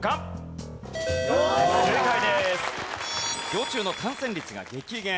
ぎょう虫の感染率が激減。